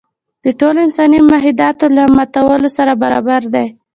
د ټولو انساني معاهداتو له ماتولو سره برابر دی.